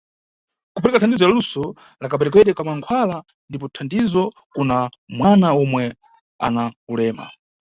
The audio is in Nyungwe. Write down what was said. Kupereka thandizo la luso la keperekedwe ka mankhwala ndipo thandizo kuna mwana omwe ana ulema.